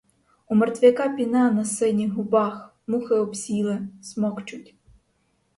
У мертвяка піна на синіх губах, мухи обсіли, смокчуть.